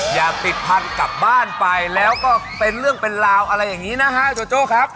อย่าติดพันธุ์กลับบ้านไปแล้วก็เป็นเรื่องเป็นราวอะไรอย่างนี้นะฮะโจโจ้ครับ